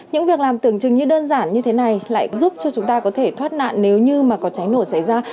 những việc làm tưởng chừng như đơn giản như thế này lại giúp cho chúng ta có thể thoát nạn nếu như mà có cháy nổ xảy ra